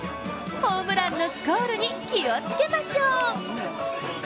ホームランのスコールに気をつけましょう！